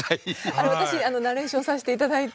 あれ私ナレーションさせて頂いて。